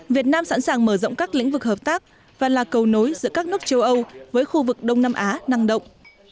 việt nam sẵn sàng mở rộng các lĩnh vực hợp tác và là cầu nối giữa các nước châu âu với khu vực đông nam á năng động